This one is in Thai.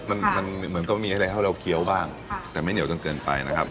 มันมันเหมือนก็มีอะไรให้เราเคี้ยวบ้างแต่ไม่เหนียวจนเกินไปนะครับ